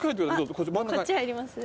こっち入ります？